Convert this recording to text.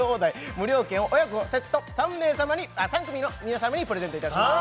無料券を親子セット３組の皆様にプレゼントいたします